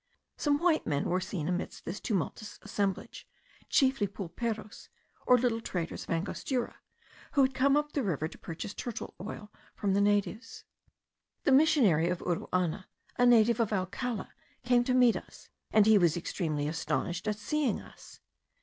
Some white men were seen amidst this tumultuous assemblage, chiefly pulperos, or little traders of Angostura, who had come up the river to purchase turtle oil from the natives. The missionary of Uruana, a native of Alcala, came to meet us, and he was extremely astonished at seeing us.